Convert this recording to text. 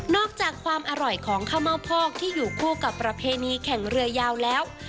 อกจากความอร่อยของข้าวเม่าพอกที่อยู่คู่กับประเพณีแข่งเรือยาวแล้ว